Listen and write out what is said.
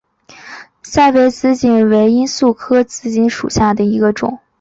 赛北紫堇为罂粟科紫堇属下的一个种。